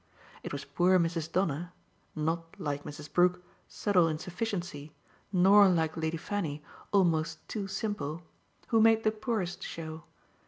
It was poor Mrs. Donner not, like Mrs. Brook, subtle in sufficiency, nor, like Lady Fanny, almost too simple who made the poorest show.